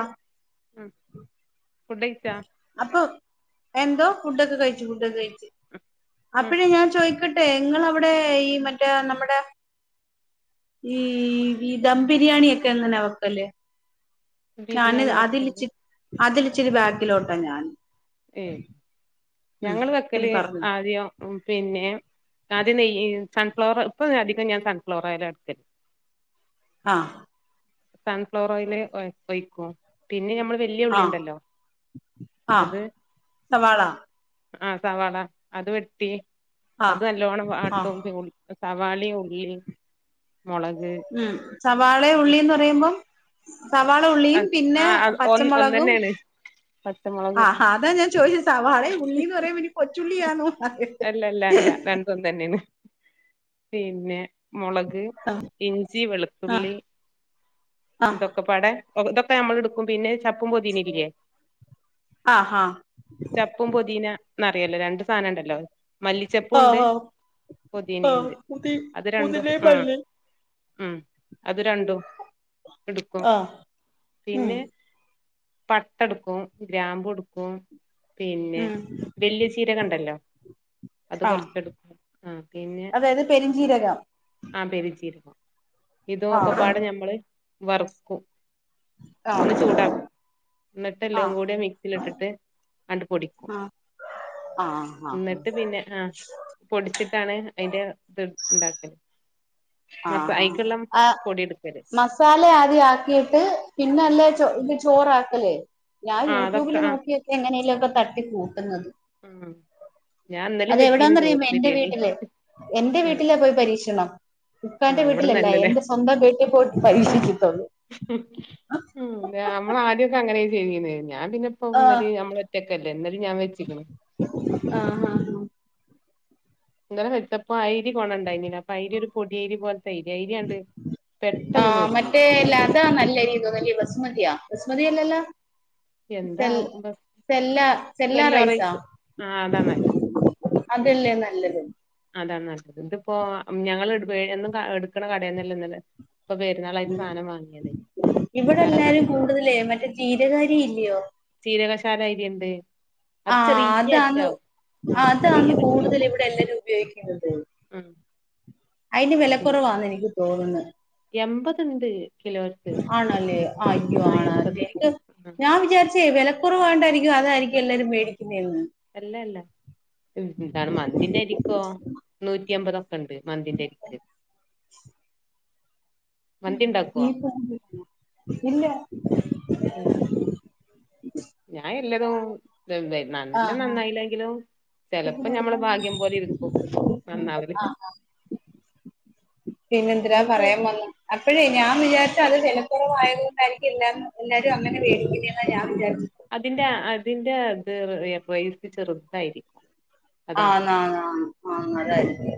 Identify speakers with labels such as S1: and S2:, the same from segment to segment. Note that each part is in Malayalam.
S1: ആഹ്
S2: ഉം ഫുഡഴിച്ചാ
S1: അപ്പൊ എന്തോ? ഫുഡോക്കെ കയിച്ചു ഫുഡോക്കെ കയിച്ച്
S2: ഉം
S1: അപ്പഴേ ഞാൻ ചോയി ക്കട്ടെ ങ്ങളവിടെ ഈ മറ്റേ നമ്മടെ ഈ വി ദം ബിരിയാണിയെക്കെ എങ്ങനാ വെക്കല്? ഞാന്
S2: ബിരിയാണി വെക്കല്
S1: അതിലിച്ചി അതിലിച്ചിരി ബാക്കിലോട്ടാ ഞാൻ.
S2: ഏഹ്
S1: ഉം
S2: ഞങ്ങള്
S1: ഇത്തിരി
S2: വെക്കല്
S1: പറഞ്ഞു
S2: ആദ്യോം പിന്നെ അദ്യം നെയ്യ് സൺഫ്ലവർ ഇപ്പഞ അധികം ഞാൻ സൺഫ്ലവർ ഓയലാ എടുക്കൽ.
S1: ആഹ്
S2: സൺഫ്ലോറോയില് ഒ ഒയ്ക്കും പിന്നെ ഞമ്മള് വല്യ
S1: ആഹ്
S2: ഉള്ളിണ്ടല്ലോ
S1: ആഹ്
S2: അത്
S1: സവാള.
S2: ആഹ് സവാള അത് വെട്ടി അത്
S1: ആഹ്
S2: നല്ലോണ്ണം
S1: ആഹ്
S2: വാട്ടും [unintelligible] സവാളീം ഉള്ളീം മൊളക്
S1: ഉം സവാളേം ഉള്ളിന്നറയുമ്പോം സവാള ഉള്ളിയും പിന്നെ
S2: ആ ഒന്ന്
S1: പച്ചമൊളകും
S2: ഒന്നന്നേണ് പച്ചമൊളക്
S1: ആഹ് ഹാ അതാ ഞാൻ ചോയിച് സവാളേം ഉള്ളീന്ന് പറയ്മ്പന്നി കൊച്ചുള്ളിയാന്നോ?
S2: ല്ല
S1: [unintelligible]
S2: രണ്ടും ഒന്നന്നെണ്. പിന്നെ മൊളക്,
S1: ആഹ്
S2: ഇഞ്ചി, വെളുത്തുള്ളി
S1: ആഹ്
S2: ഇതൊക്കെപ്പാടെ ഇതൊക്കെ നമ്മള്ട്ക്കും പിന്നെ ചപ്പും പൊതീനക്കെ ല്ലേ
S1: ആഹ് ആഹ്
S2: ചപ്പും പൊതീന ന്നറിയല്ലോ രണ്ട് സാധനണ്ടല്ലോ മല്ലിച്ചപ്പും
S1: ആഹ്
S2: ണ്ട്
S1: ആഹ് ആഹ്
S2: പൊതിനെണ്ട്
S1: പുതി
S2: അത് രണ്ടും
S1: പുതിനേ
S2: ആ
S1: മല്ലി
S2: ഉം അത് രണ്ടു ഇട്ക്കും
S1: ആഹ് ഉം
S2: പിന്നെ പട്ട ഇട്ക്കും ഗ്രാമ്പുട്ക്കും പിന്നെ
S1: ഉം
S2: വെല്യ ജീരകണ്ടല്ലോ അത്
S1: ആഹ്
S2: കൊർച്ചെട്ക്കും ആ പിന്നെ
S1: അതായത് പെരിഞ്ചീരകം
S2: ആ പെരുഞ്ചീരകം
S1: ആഹ്
S2: ഇതൊക്കെപ്പാടെ ഞമ്മള് വറ്ക്കും
S1: ആ
S2: ന്ന്ട്ട് എല്ലും കൂടി മിക്സിലിട്ടിട്ട് ആണ്ട് പൊടിക്കും
S1: ആഹ് ആഹ്
S2: ന്ന്ട്ട് പിന്നെ ആ പൊടിച്ചിട്ട ട്ടാണ് അയ്ന്റെ ഇത് ഇണ്ടാക്ക
S1: അ ആഹ ഹ ആ
S2: എടുക്കല്
S1: മസാല ല ആക്കിട്ട് പിന്നെല്ലേ ചോ ഈ ചോറാക്കല് ഞാൻ
S2: ആ അതൊക്കെ
S1: യൂട്യൂബില്
S2: ആ
S1: നോക്കിയൊക്കെ എങ്ങനെലൊക്കെ തട്ടി കൂട്ടുന്നത്
S2: ആ ഞാൻ ഇന്നലിം വെച്ചിന്നു ചോറ്
S1: അതെവിടാന്നറിയാമോ എന്റെ
S2: ബിരിയാണി
S1: വീട്ടില്
S2: ആ ആ
S1: ക്കാന്റെ വീട്ടിലല്ല
S2: ഇവിടന്നല്ലല്ലേ
S1: എന്റെ സ്വന്തം വീട്ടി പോയിട്ട് പരീക്ഷിച്ചിട്ടോന്നൂ
S2: മ് ഞമ്മളാദ്യൊക്കെ അങ്ങനെ ചെയ്തിന്നെ ഞാൻ പിന്നെപ്പ
S1: ആഹ്
S2: ഇന്നലിം ഞമ്മള് ഒറ്റക്കല്ലേ ഇത് ഞാൻ വെച്ച്ക്ക്ണ്
S1: ആഹ് ആഹ്
S2: ഇന്നലെ വെച്ചപ്പോ അയ്രി കൊണണ്ടായ്ല അപ്പൊ അയ്രൊരു പൊടിയരി പോലെ
S1: ആ
S2: നുറുങ്ങി
S1: മറ്റേല്ല അതാ നല്ല രീ തോന്ന് ബസുമതിയൊ ബസ്മതിയല്ലല്ലോ
S2: എന്താ
S1: സെൽ സെല്ലാ റൈസോ
S2: ആഹ് അതാ നല്ലത്.
S1: അതല്ലേ നല്ലത്.
S2: അതാണ് നല്ലത്. ഇതിപ്പോ ഞങ്ങള്ട് വെ എന്നും കാ എടുക്കണ കടന്നല്ല ഇന്നലെ ഇപ്പൊ പെരുന്നാളായിട്ട് സാനം വാങ്ങിയതേ
S1: ഇവടെ
S2: വേറെ
S1: എല്ലാരും
S2: കടേന്ന്
S1: കൂടുതലെ മറ്റേ ജീരക അരി ഇല്ലിയോ
S2: ജീരകശാല അരിണ്ട് അത്
S1: ആഹ്
S2: ചെറിയ
S1: അതാന്ന്
S2: അറ്റാവും ആഹ് ചെറിയ
S1: അതാണ്
S2: വറ്റാവും
S1: കൂടുതൽ ഇവിടെ എല്ലരും ഉപയോഗിക് [unintelligible]
S2: ആഹ്
S1: അതിന്റെ വിലക്കുറവാാണ് എനിക്ക് തോന്നുന്നു
S2: എൺപത്ണ്ട് കിലോക്ക്
S1: ആണല്ലേ ആയ്യോ
S2: ആഹ് എൺപത്
S1: ആണല്ലേക്
S2: ആഹ്
S1: ഞാൻ വിചാരിച്ചേ വിലക്കുറവ്ണ്ടായിരിക്കും അതായിരിക്കും എല്ലാരരും മേടി
S2: അല്ല അല്ല എന്താണ് മന്തിന്റെ ആരിക്കോ നൂറ്റി അമ്പതോ ണ്ട് മന്തിന്റെ [unintelligible] മന്തി ഉണ്ടാക്കുവോ ഉം.
S1: [unintelligible]
S2: ഞാൻ എല്ലതും
S1: ആ
S2: നല്ല നന്നായില്ലെങ്കിലും ചെലപ്പോ ഞമ്മളെ ഭാഗ്യം പോലെ ഇരിക്കും നന്നാവല്
S1: [unintelligible] ആ പിന്നെന്രാാ
S2: എന്നിട്ട്
S1: പറയാൻ വന്നു അപ്പഴേ ഞാൻ വിചാരി അത് ജനപ്രറമായവർക്കായിരിക്കും എല്ലാരും എല്ലാരും അങ്ങനെേട
S2: അതിറെ അതിന്റെ അത് പ്രേസി ചെറുതായിരിക്കും
S1: ആ
S2: അതാണ്
S1: നാന
S2: ഉം
S1: ആന്നതായിരിക്ക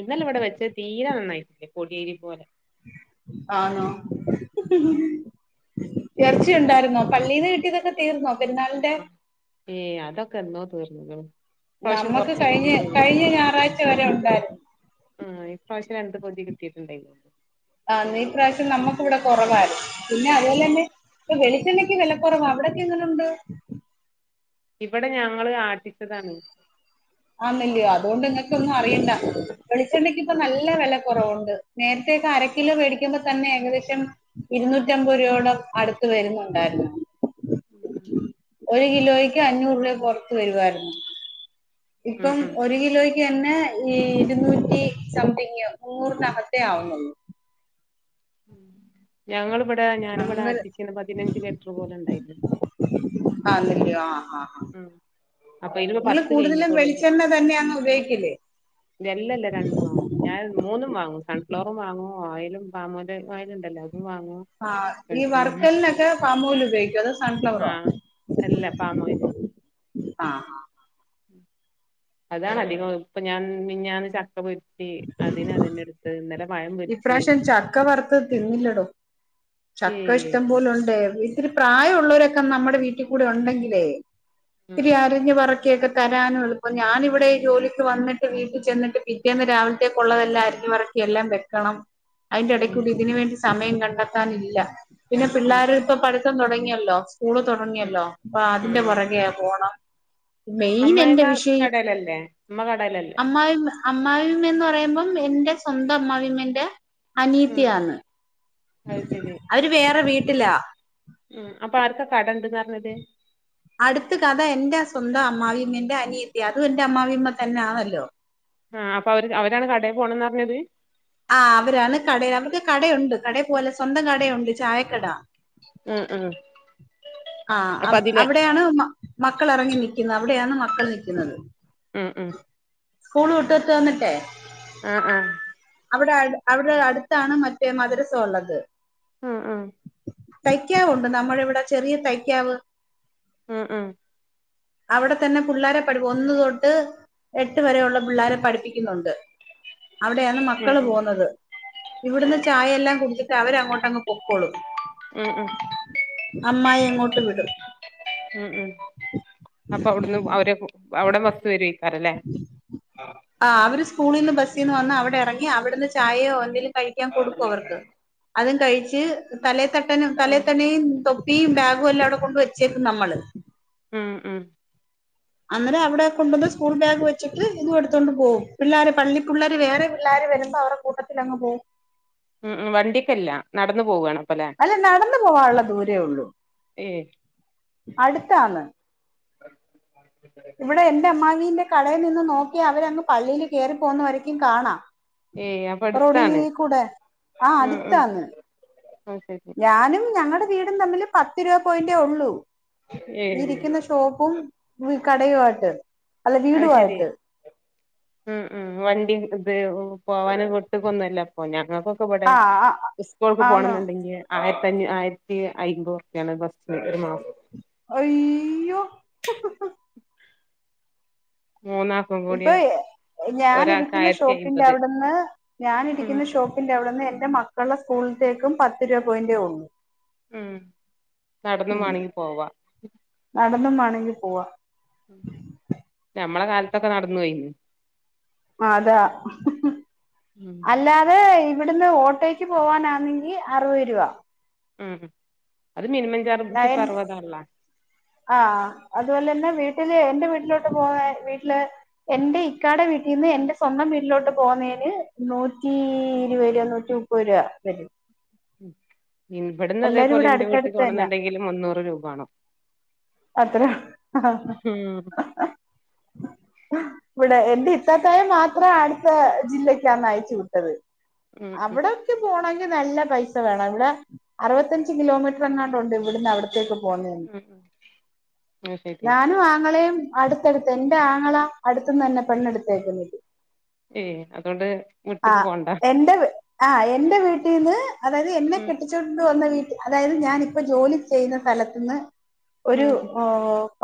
S2: ഇന്നലെ ഇവിടെ വെച്ച തീരെ നന്നായിട്ടില്ലേ കോടിയേരി പോലെ
S1: ആണോ [unintelligible]
S2: പറ്റ
S1: യർച്ചയുണ്ടായിുന്നോ പള്ളീൽന്ന് കിട്ടീന്നൊക്കെ തീർന്നോ പെരുന്നാളിന്റെ
S2: ആ ഏ അതൊക്കെന്നോ തീർഞ്ഞ
S1: നമ്മക്ക് കഴിഞ് കഴിഞ്ഞ ഞായറാഴ്ച വരെ ഉണ്ടായിരുന്നു
S2: ആഹ് ഇപ്രാവശ്യം രണ്ട് പൊതി കിട്ടയിട്ടുണ്ടായി
S1: ആ നീ പ്രാവശ്യം നമ്മുക്ക് ഇവിടെ കുറവാലും പിന്നെ അതുപോലെ
S2: ഉം
S1: തന്നെ ഇപ്പ വെളിച്ചണ് വിലപ്പറവാ അവിടെൊക്കെ എങ്ങുണ്ട്
S2: ഇവിടെ ഞങ്ങള്ൾ ആ ട്ടിച്ചതാണ്
S1: ആന്നല്ലോ അതുകൊണ്ട് നിങ്ങനക്ക ഒന്നും അറിയണ്ട വെളിച്ചണ്ടെക്കി ഇപ്പ
S2: ഉം
S1: നല്ല വില ണ്ട് നേരത്തക്ക അരക്കിലോ പേടിക്കുമ്പോ തന്നെ ഏകദേശം ഇരുന്നൂറ്റമ്പത് രൂപയം അടു വരുന്നുണ്ടായിരുന്നു
S2: [inaudible]
S1: ഒരു കിലോയ്ക്ക് അഞ്ഞൂറ് രൂപ പുറത്ത് വരുവായിരുന്നു
S2: ഉം
S1: ഇപ്പം
S2: ഉം
S1: ഒരു കിലോയ്ക്ക് തന്നെ ഈ ഇരുന്നൂറ്റി സംതിങ് മുന്നൂറിനകത്തേ ആവുന്നുള്ളു
S2: [inaudible] ഞങ്ങ ഇവിടെ ഞാനിവിടെ
S1: അങ്ങനെ
S2: അട്ടിച്ചിന് പതിനഞ്ച് ലറ്റർ പോലെ ഉണ്ടായില്ല
S1: ആ നല്ലോ ആ ആ ആ
S2: അപ്പൊ അയില്
S1: നിങ്ങള്
S2: പത്ത്
S1: കൂടുതലും
S2: കഴിഞ്ഞിട്ടുള്ളൂ
S1: വെളിച്ചെണ്ണ തന്നെയങ് ഉപയോഗിക്കില്ലേ
S2: ല്ലല്ല രണ്ടും വാങ്ങും ഞാൻ മൂന്നും വാങ്ങും സൺഫ്ലോറും വാങ്ങുവോ ഓയിലും ഫാമോ ഓയിലുണ്ടല്ലോ
S1: ആഹ ഈ വർക്കലിനൊക്കെ പാമോയില് ഉപയോഗികോ അതോ സൺഫ്ലവറോ.
S2: ആഹ് അല്ല പാമോയില്.
S1: ആഹ ആഹ്.
S2: അതാണ് അധികം ഇപ്പൊ ഞാൻമിഞ്ഞാന് ചക്ക പോരി. അതിന് അതന്നെ ഇട്ത്തത് ഇന്നലെ. പഴം പൊരിച്ച്
S1: ഇപ്രാവശ്യം ചക്ക വറുത്ത് തിന്നില്ലടോ ചക്ക ഇഷ്ടം
S2: ഏയ്
S1: പോലുണ്ടേര്. ത്തിരി പ്രായമ ഉുള്ളോരൊക്കെ നമ്മുടെ വീട്ടി കൂടെ ഉണ്ടെങ്കിലേ
S2: ഉം
S1: തിരി അരിഞ്ഞു പറ ന്നോക്കൊക്കെ തരാന എളുപ്പം ഞാനിവിടെഈ ജോലിക്ക് വന്നിട്ട് വീട്ടിൽ ചെന്നിട്ട് പിറ്റേന്ന് രാവിലത്തേക്കു ഉള്ളതല്ലാ. പറക്കി എല്ലാം വെക്കണം അയിന്റെ
S2: ഉം
S1: എടേക്കൂടി ഇതിനന് വേണ്ടി സമയം കണ്ടെത്താനില്ല. പിന്നെ
S2: ഉം
S1: പിള്ളേര് ഇപ്പ പഠിത്തം തുടങ്ങിയല്ലോ സ്കൂള്
S2: ഉം
S1: തുടങ്ങിയല്ലോ അപ്പ അതിന്റെ
S2: ഉം
S1: പുറകെ പോണം. മെയിൻ എന്റെ
S2: അമ്മായിമ്മ
S1: വിഷയം
S2: കടേലല്ലേ ഉമ്മ കടേലല്ലേ
S1: അമ്മായിമ്മ. അമ്മായിമ്മ എന്ന് പറയുമ്പം എന്റെ സ്വന്തം അമ്മായിമ്മന്റെസ്വന്തം
S2: ഉം
S1: അനീയത്തിയാണ്.
S2: അത് ശരി
S1: അവര് വേറെ വീട്ടിലാ.
S2: ഉം അപ്പൊ ആർക്കാ കടണ്ട്ന്ന് പറഞ്ഞത്.
S1: അടുത്ത കഥ എന്റെ സ്വന്തം അമ്മായിമ്മന്റെ അനിയത്തി അതും എൻന്റെ അ്മായിമ്മ തന്നെ യാണല്ലോ.
S2: ആഹ അപ്പൊ അവര് അവരാണ് കടേ പോണന്ന് പറഞ്ഞത്.
S1: ആ അവരാണ് കടയാ അവർക്ക് കടയുണ്ട് കടേപോവാലെ സ്വന്തം കടയുണ്ട് ചായക്കട.
S2: ഉം ഉം.
S1: ആ
S2: അപ്പൊ അതില്
S1: അവിടെയാണ് മക്കള് ഇറങ്ങി നിക്കുന്നത് അവിടെയാണ് മക്കള് നക്കുന്നത്.
S2: ഉം ഉം
S1: സ്കൂൾ വിട്ട് ത്ത് വന്നിട്ടെ.
S2: ആഹ ആഹ
S1: അവിടെ അവിടെ അടുത്താണ് മറ്റേ മദരസ ഉള്ളത്.
S2: ആഹ ആഹ
S1: തയ്ക്കാവുണ്ട് നമ്മളെ ഇവിടെ ചെറിയ തയ്ക്കാവ്.
S2: ഉം ഉ
S1: അവിടെ തന്നെ പിള്ളോര പഠ ഒന്ന് തൊട്ട്. എട്ട് വരെയ ഉുള്ള പിള്ളാരെ പഠിപ്പിക്കുന്നുണ്ട് അവിടെയാ.
S2: ഉം
S1: മക്കള് പോകുന്നത് ഇവിടുന്ന് ചായെല്ലാം കുടിച്ചിട്ട് അവര അങ്ങോട്ടങ്ങ് പൊക്കോളും.
S2: ഉം ഉം
S1: അമ്മായി എങ്ങോട്ട് വിടും.
S2: ഉം ഉം അപ്പൊ അവിടുന്ന് അവരെ അവിടെ ബസ് വരുയ്ക്കാരല്ലേ അഹ്.
S1: ആ അവര് സ്കൂളിൽ നിന്ന് ബസിൽ നിന്ന് വന്ന് അവിടെ ഇറങ്ങി അവിടെന്ന് ചായയോ എന്തെലും കഴിക്കൻ കൊടുക്കും അവർക്ക് അ കഴിച് തലെ തട്ടനും തലേ തന്നെയും തൊപ്പിയും ബാഗു എല്ലാംവിടെ കൊണ്ട് വെച്ചേകും നമ്മള്.
S2: ഉം ഉം
S1: അന്നേര അവിടെ കൊണ്ടുന്ന് സ്കൂൾ ബാഗ് വെച്ചിട്ട് ഇത് എടുത്തോണ്ട് പോകും പിള്ളേരെ പള്ളി പിള്ളേര് വേറെ. എല്ലാരും വരുമ്പോ അവടെ കൂട്ടത്തിലങ്ങ് പോവും.
S2: ഉം ഉം വണ്ടിക്കല്ല നടന്ന് പോവാണ്. അപ്പല്ലേ
S1: അല്ല നടന്നു പോവാള്ള ദൂരേ ഉള്ളു
S2: ഏയ്
S1: അട്ത്താണ്. ഇവിടെ എന്റെ അമ്മാവിന്റെ കടയിൽ നിന്ന് നോക്കിയാ അവരങ് പള്ളിയില് കയറിപ്പോവുന്ന വരക്കും കാണാം.
S2: ഏയ് അപ്പൊ
S1: റൊഡീ
S2: അടുത്താണ്
S1: കൂടെ ആ
S2: ഉം ഉം
S1: അടുത്താന്ന്.
S2: അത് ശരി
S1: ഞാനും ഞങ്ങടെ വീടും തമ്മില് പത്ത് രൂപ പോയിന്റേ ഉള്ളൂ.
S2: ഏയ്
S1: ഇരിക്കുന്ന ഷോപ്പും കടയു ആയിട്ട്. അല്ല
S2: അത് ശരി
S1: വീടുമായിട്ട്
S2: ഉം ഉ വണ്ടി ഇത് ഓ. പോവാന് വിട്ട് കൊന്നല്ലപ്പോ ഞങ്ങൾക്കൊക്കെ ഇവിടെ
S1: ആഹ്
S2: സ്കൂൾക്ക്
S1: ആന്ന്
S2: പോണനിഡഗ്യ ആയി ആയിരത്തി അയിമ്പതുറുപ്യ വാണം ഒരുപത്ത് മാസം
S1: അയ്യോ ഇഹ് ഇഹ് ഇഹ്.
S2: മൂന്നാക്കും കൂടി
S1: ഇപ്പൊ
S2: ഒരാൾക്ക്
S1: ഞാനിരിക്കുന്ന
S2: ആയിരത്തി
S1: ഷോപ്പിന്റെ
S2: അയ്മ്പത്
S1: അവിടുന്ന്
S2: ഉം
S1: ഞാനിരിക്കുന്ന ഷോപ്പിന്റെ അവിടുന്ന് എന്റെ മക്കളുടെ സ്കൂളിലത്തേക്കും പത്ത് രൂപ പോയിന്റേ ഉള്ളൂ
S2: മ്മ് നടന്നും
S1: ഉം
S2: വേണെങ്കി പോവാ
S1: നടന്നും വേണെങ്കി പോവാ
S2: ഞമ്മളെ കാലത്തൊക്കെ നടന്നു പോയിരുന്നു
S1: അതാ
S2: ഉം
S1: അല്ലാതെ ഇവിടുന്ന് ഓട്ടോയ്ക്ക് പോവാനാണെങ്കി അറുപത് രൂപ
S2: മ്മ്
S1: നയൽ ആഹ് അതുപോലെ തന്നെ വീട്ട വീട്ടില് എന്റെ വീട്ടിലോട്ട് പോകുന്ന വീട്ടില് എന്റെ ഇക്കാടെ വീട്ടിൽന്ന് എന്റെ സ്വന്തം വീട്ടിലോട്ട് പോകുന്നേ നൂറ്റി ഇരുപത് രൂപ നൂറ്റി മുപ്പത് രൂപ വരും
S2: മ്മ് ഇവിടന്ന്
S1: എല്ലാരും
S2: അതേപോലെ
S1: ഇവിടെ
S2: എന്റെ വീട്ടിൽ
S1: അടുത്തടുത്ത് തന്നാ
S2: പോണന്നുണ്ടെങ്കില് മുന്നൂറ് രൂപ വേണം
S1: അത്ര
S2: ഉം
S1: ഇവിടെ എന്റെ ഇത്താത്തായ മാത്രമേ അടുത്ത ജില്ലക്കാ അയച്ചു വിട്ടത്
S2: ഉം ഉം
S1: അവിടൊക്കെ പോണെൽ നല്ല പൈസ വേണം ഇവിടെ അറുപത്തഞ്ച് കിലോമീറ്റർ എങ്ങാനുണ്ട് ഇവിടുന്ന് ച്ചേക്ക് പോന്നന്ന്
S2: അയ് ശരി
S1: ങ്ങളെയും അടുത്തടുത്ത് എന്റെ ആങ്ങള അടുത്തന്ന് തന്നെ പെണ്ണെടുത്തേക്കണ്
S2: ഏയ് അതുകൊണ്ട് വീട്ട്ക്ക് പോണ്ട
S1: ആഹ് എന്റെ വീട്ടിൽ നിന്ന് അതായത് എന്നെ
S2: ഉം
S1: കെട്ടിച്ചുകൊണ്ട് വന്ന വീട്ടിൽ അതായത് ഞാനിപ്പോ ജോലി ചെയ്യുന്ന സ്ഥലത്തന്ന് ഒരു
S2: ഉം ഉം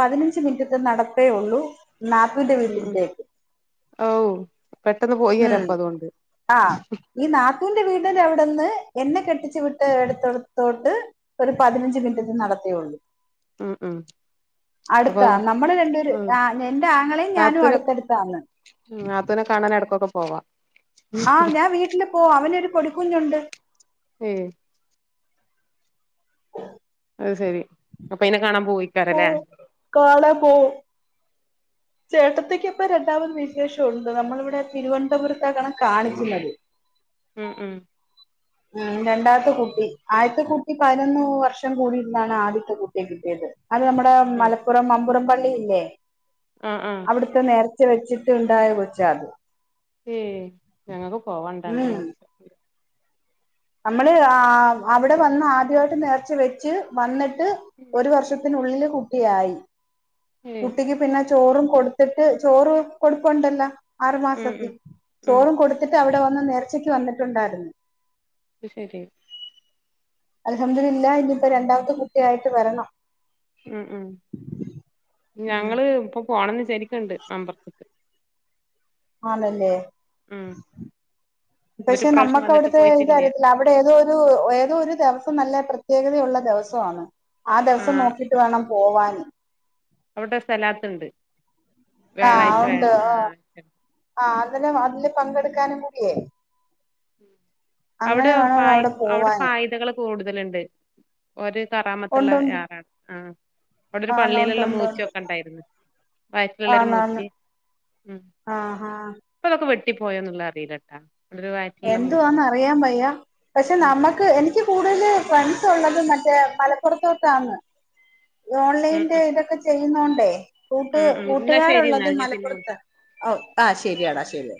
S1: പതിനഞ്ച് മിനിറ്റത്ത് നടപ്പേ ഉള്ളൂ നാത്തൂന്റെ വീട്ടിലേക്ക്
S2: ഓഹ് പെട്ടെന്ന് പോയി
S1: ഉം
S2: വരാപ്പൊ അതുകൊണ്ട്
S1: എന്റെ വീടിൻ്റെ അവിടെന്ന് എന്നെ കെട്ടിച്ചു വിട്ട എടുത്തോട്ട് ഒരു പതിനഞ്ച് മിനിറ്റ് നടത്തേയുള്ളൂ
S2: ആഹ് ആഹ്
S1: അടുത്താ നമ്മള് രണ്ടൂര് ആഹ് എൻ്റെ ആങ്ങളെയും ഞാനും അടുത്തടുത്തന്ന്
S2: മ്മ് നാത്തൂനെ കാണാൻ ഇടക്കൊക്കെ പോവാ
S1: ആഹ് ഞാൻ വീട്ടില് പോകും അവനൊരു പൊടിക്കുഞ്ഞുണ്ട്
S2: ഉം അത് ശെരി അപ്പൊ അയിനെ കാണാൻ
S1: പോ
S2: പോയിക്കാറല്ലേ
S1: കാണാൻ പോ ചേട്ടത്തിക്ക് ഇപ്പോ രണ്ടാമത് വിശേഷമുണ്ട് നമ്മളിവിടെ തിരുവനന്തപുരത്തങ്ങനെ കാണിക്കുന്നത്
S2: ഉം ഉം
S1: മ്മ് രണ്ടാമത്തെ കുട്ടി ആദ്യത്തെ കുട്ടി പതിനൊന്ന് വർഷം കൂടിട്ടാണ് ആദ്യത്തെ കുട്ടി കിട്ടിയത് അത് നമ്മുടെ മലപ്പുറം മമ്പുറം പള്ളില്ലേ
S2: ആഹ് ആഹ്
S1: അവിടുത്തെ നേർ ച്ച വെച്ചിട്ടുണ്ടായ കൊച്ച് ആണ്
S2: ഏഹ് ഞങ്ങക്ക്
S1: ഉം
S2: പോവാനുണ്ടാർന്നു
S1: നമ്മള് ആഹ് അവിടെ വന്ന് ആദ്യമായിട്ട് നേർച്ച വെച്ച് വന്നിട്ട് ഒരു വർഷത്തിനുള്ളിൽ കുട്ടിയായി
S2: ഏയ്
S1: കുട്ടിക്ക് പിന്നെ ചോറും കൊടുത്തിട്ട് ചോറ് കൊടുപ്പുണ്ടല്ലോ ആറ്
S2: ഉം
S1: മാസത്തിൽ
S2: ഉം ഉം
S1: ചോറും കൊടുത്തിട്ട് വന്ന് നേർച്ചക്ക് വന്നിട്ടുണ്ടായിരുന്നു
S2: ശരി
S1: അൽഹം ദുലില്ല ഇനിപ്പോ രണ്ടാമത്തെ കുട്ടിയായിട്ട് വരണം
S2: മ്മ് മ്മ്
S1: ഉം
S2: ഞങ്ങള് ഇപ്പൊ പോണംന്ന് വിചാരിക്കുന്നുണ്ട് മമ്പറം
S1: ആണല്ലേ
S2: മ്മ്
S1: പക്ഷെ നമ്മുക്ക് അവിടുത്തെ ഇതറിയത്തില്ല അവിടെ ഏതോ ഒരു ഏതോ ഒരു നല്ല പ്രത്യേകതയുള്ള ദിവസമാണ് ആ ദിവസം
S2: ആഹ്
S1: നോക്കിട്ട് വേണം പോവാന്
S2: അവിടെ സ്ഥലാത്തുണ്ട് വ്യാഴാഴ്ച വ്യാഴാഴ്ച്ച ആഹ്
S1: ആ അന്നനെ അതില് പങ്കെടുക്കാനും കൂടിയേ അങ്ങനെ
S2: അവിടെ ഫ
S1: വേണല്ലോ
S2: അവിടെ ഫാ
S1: പോവാന്
S2: ഇദകൾക്കെ കൂടുതലുണ്ട് ഒരു കറാമത്തുള്ള
S1: ഉണ്ട് ഉണ്ട്
S2: ആറാണ് ആ അവിടെ ഒരു
S1: ആന്ന് ഉണ്ട്
S2: പള്ളിയിലുള്ള
S1: ഉണ്ട് ഉണ്ട്
S2: മൂച്ചയൊക്കെ ഇണ്ടായിരുന്നു വയറ്റിലുള്ളരു മൂച്ചി
S1: ആഹ ഹഹ
S2: പോയുള്ള അറില്ലട്ടാ
S1: എന്തുവാന്ന് അറിയാൻ പയ്യ പക്ഷെ
S2: ഉം
S1: നമ്മുക്ക് എനിക്ക് കൂടുതൽ ഫ്രണ്ട്സ് ഉള്ളത് മറ്റേ മലപ്പുറത്തോട്ട ആന്ന്
S2: ഉം
S1: ഓൺലൈൻന്റെ
S2: ഉം
S1: ഇതൊക്കെ ചെയ്യുന്നുോണ്ടേ കൂട്ട
S2: ഉം ഉം എന്നാ ശരി എന്നാ
S1: കൂട്ടുകാരുള്ളത്
S2: ഞാൻ പിന്നെ വിളി
S1: മലപ്പുറത്ത് ഓ ആഹ ശെരിയാടാ ശരിയ